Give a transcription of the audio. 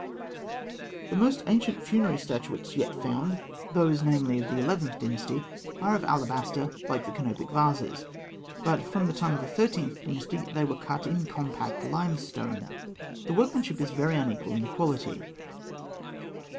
The most ancient funerary statuettes yet found those, namely, of the Eleventh Dynasty are of alabaster, like the canopic vases; but from the time of the Thirteenth Dynasty, they were cut in compact limestone. The workmanship is very unequal in quality.